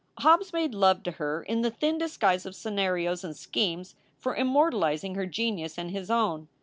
Hobbes made love to her in the thin disguise of scenarios and schemes for immortalizing her genius and his own.